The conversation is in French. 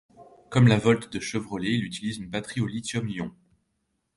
Comme la Volt de Chevrolet, il utilise une batterie au lithium-ion.